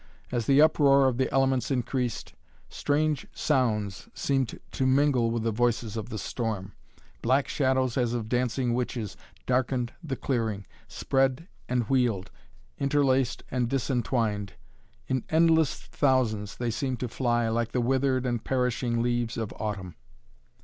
As the uproar of the elements increased, strange sounds seemed to mingle with the voices of the storm. Black shadows as of dancing witches darkened the clearing, spread and wheeled, interlaced and disentwined. In endless thousands they seemed to fly, like the withered and perishing leaves of autumn.